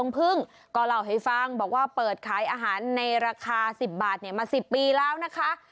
เพราะว่าเปิดขายอาหารในราคา๑๐บาทมา๑๐ปีแล้วนะคะ